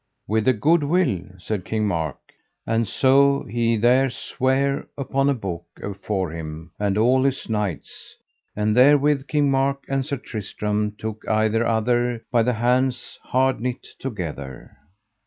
With a good will, said King Mark; and so he there sware upon a book afore him and all his knights, and therewith King Mark and Sir Tristram took either other by the hands hard knit together.